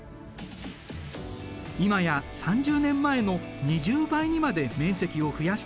今や３０年前の２０倍にまで面積を増やしている。